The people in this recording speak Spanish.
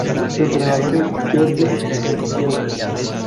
Su entrenador es Jordi Jou.